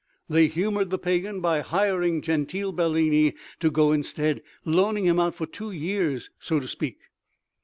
They humored the Pagan by hiring Gentile Bellini to go instead, loaning him out for two years, so to speak.